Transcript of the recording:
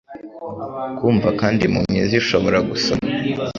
kumva kandi impumyi zishobora gusoma